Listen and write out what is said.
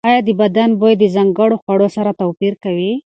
ایا د بدن بوی د ځانګړو خوړو سره توپیر کوي؟